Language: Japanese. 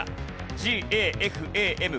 ＧＡＦＡＭ。